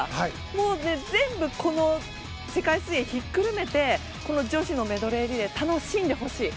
もう全部この世界水泳ひっくるめてこの女子のメドレーリレー楽しんでほしい。